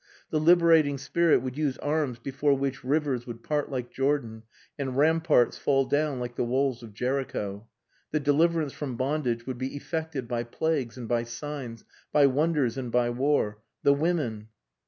The liberating spirit would use arms before which rivers would part like Jordan, and ramparts fall down like the walls of Jericho. The deliverance from bondage would be effected by plagues and by signs, by wonders and by war. The women....